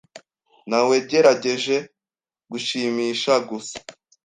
Nawegerageje gushimisha gusa.